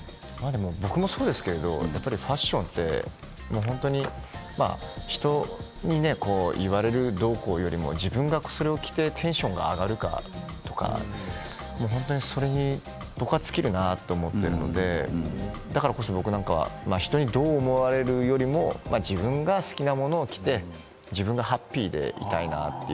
僕もそうですけれどファッションって本当に人にどうこう言われるよりも自分がそれを着てテンションが上がるかとかそれに尽きるなと僕は思っているのでだからこそ僕なんかは人にどう思われるかよりも自分が好きなものを着て自分がハッピーでいたいなって